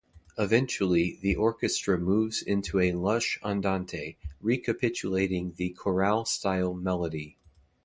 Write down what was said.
Eventually the orchestra moves into a lush Andante, recapitulating the chorale-style melody.